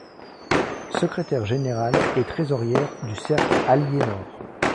Secrétaire générale et trésorière du Cercle Aliénor.